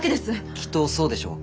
きっとそうでしょう。